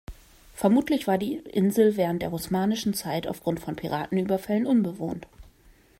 Vermutlich war die Insel während der osmanischen Zeit aufgrund von Piratenüberfällen unbewohnt.